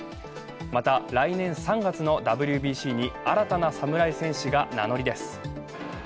また、来年３月のＷＢＣに新たなサムライ戦士が名乗りです。